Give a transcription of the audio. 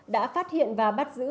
đã phát hiện và bắt giữ